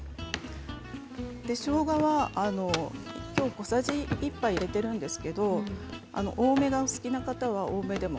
しょうがは今日、小さじ１杯入れているんですけど多めがお好きな方は多めでも。